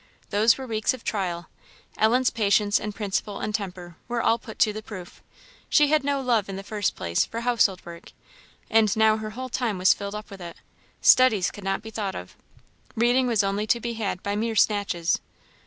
Those were weeks of trial. Ellen's patience and principle and temper were all put to the proof. She had no love, in the first place, for household work, and now her whole time was filled up with it. Studies could not be thought of. Reading was only to be had by mere snatches.